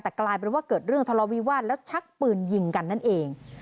แต่กลายเป็นว่าเกิดเรื่องทะเลาวิวาสแล้วชักปืนยิงกันนั่นเอง